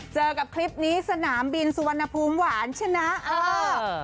เจอกับคลิปนี้สนามบินสุวรรณภูมิหวานชนะเออ